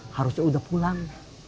harusnya udah pulang